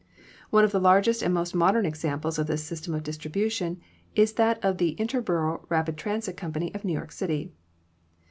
One of the largest and most modern examples of this system of distribution is that of the Interboro Rapid Transit Co. of New York City.